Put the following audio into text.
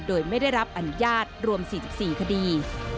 โดยไม่ได้รับอนุญาตรวม๔๔คดี